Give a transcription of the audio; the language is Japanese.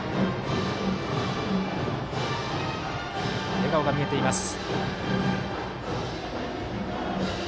笑顔が見えています。